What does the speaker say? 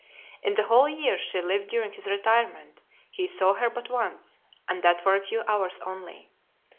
In the (224) whole years she lived during his retirement, he saw her but once, and that for a few hours only.